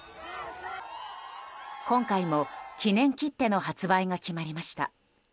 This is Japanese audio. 今回も記念切手の発売が決まりました。